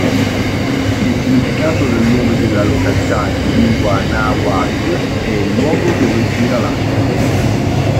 Il significato del nome della località in lingua nahuatl è "luogo dove gira l'acqua".